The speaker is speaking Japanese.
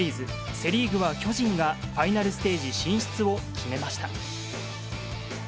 セ・リーグは巨人が、ファイナルステージ進出を決めました。